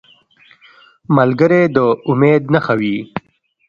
ملګری د امید نښه وي